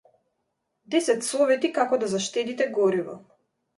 Десет совети како да заштедите гориво